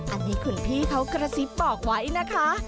อันนี้คุณพี่เขากระซิบบอกไว้นะคะ